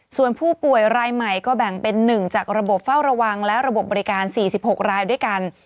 ส่วนผู้ป่วยรายใหม่ก็แบ่งเป็น๑จากระบบเฝ้าระวังและระบบบบริการ๔๖รายด้วยกัน